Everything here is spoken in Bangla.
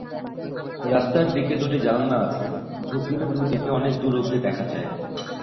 রাস্তার দিকে দুটি জানালা আছে, ঝুঁকিলে দুদিকে অনেক দূর অবধি দেখা যায়।